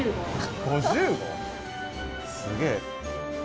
すげえ。